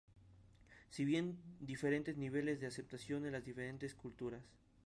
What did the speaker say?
Si bien tiene diferentes niveles de aceptación en las diferentes culturas.